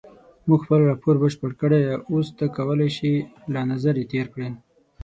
مونږ خپل راپور بشپړ کړی اوس ته کولای شې له نظر یې تېر کړې.